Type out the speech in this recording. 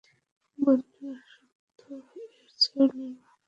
বন্ধুরা, সত্য এর চেয়েও নির্মম।